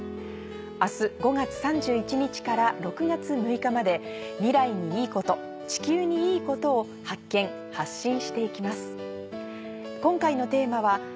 明日５月３１日から６月６日まで未来にいいこと地球にいいことを発見発信して行きます。